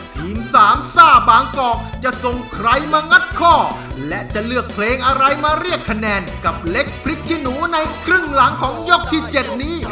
ทีมสามซ่าบางกอกจะส่งใครมางัดข้อและจะเลือกเพลงอะไรมาเรียกคะแนนกับเล็กพริกขี้หนูในครึ่งหลังของยกที่๗นี้